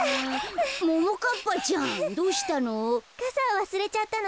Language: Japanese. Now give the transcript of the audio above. ももかっぱちゃんどうしたの？